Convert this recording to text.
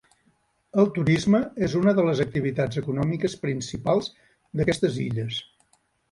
El turisme és una de les activitats econòmiques principals d'aquestes illes.